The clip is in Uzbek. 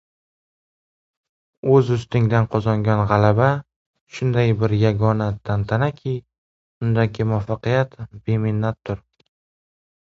O‘z ustingdan qozongan galaba shunday bir yagona tantanaki — undagi muvaffaqiyat beminnatdir.